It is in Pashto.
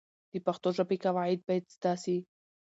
د پښتو ژبې قواعد باید زده سي.